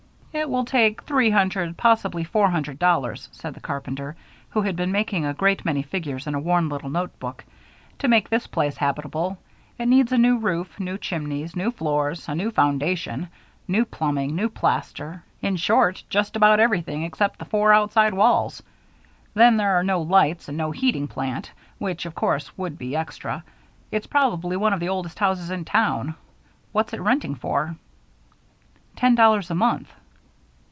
"It will take three hundred possibly four hundred dollars," said the carpenter, who had been making a great many figures in a worn little note book, "to make this place habitable. It needs a new roof, new chimneys, new floors, a new foundation, new plumbing, new plaster in short, just about everything except the four outside walls. Then there are no lights and no heating plant, which of course would be extra. It's probably one of the oldest houses in town. What's it renting for?" "Ten dollars a month."